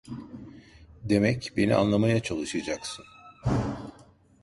Demek beni anlamaya çalışacaksın?